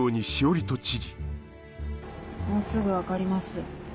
もうすぐ分かります。